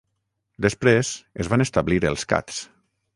Després es van establir els Cats.